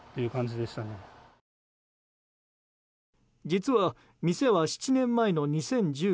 実は店は７年前の２０１５年。